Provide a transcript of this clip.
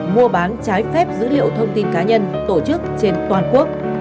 mua bán trái phép dữ liệu thông tin cá nhân tổ chức trên toàn quốc